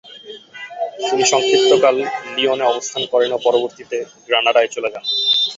তিনি সংক্ষিপ্তকাল লিওনে অবস্থান করেন ও পরবর্তীতে গ্রানাডায় চলে যান।